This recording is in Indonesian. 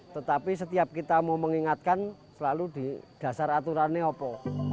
tetapi setiap kita mau mengingatkan selalu di dasar aturan neopo